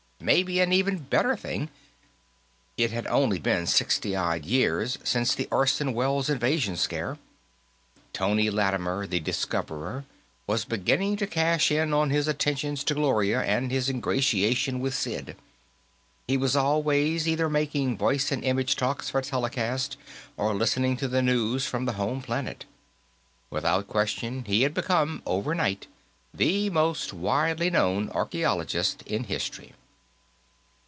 Maybe an even better thing; it had been only sixty odd years since the Orson Welles invasion scare. Tony Lattimer, the discoverer, was beginning to cash in on his attentions to Gloria and his ingratiation with Sid; he was always either making voice and image talks for telecast or listening to the news from the home planet. Without question, he had become, overnight, the most widely known archaeologist in history.